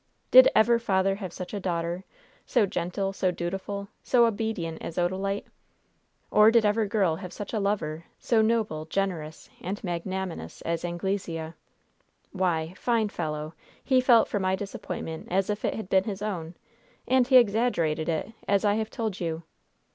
Did ever father have such a daughter, so gentle, so dutiful, so obedient as Odalite? Or did ever girl have such a lover, so noble, generous and magnanimous as Anglesea? Why fine fellow he felt for my disappointment as if it had been his own; and he exaggerated it, as I have told you!